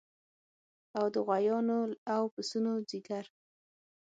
او د غوایانو او پسونو ځیګر